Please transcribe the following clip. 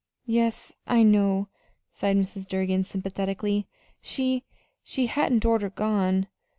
"Yes, I know," sighed Mrs. Durgin, sympathetically. "She she hadn't orter gone."